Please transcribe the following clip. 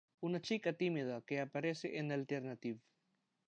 Una chica tímida que aparece en Alternative.